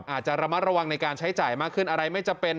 อาจจะระมัดระวังในการใช้จ่ายมากขึ้นอะไรไม่จำเป็น